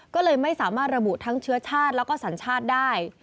ก็เลยไม่สามารถระบุทั้งเชื้อชาติแล้วก็สัญชาติได้